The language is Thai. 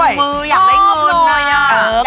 อยากมือยอ่ะ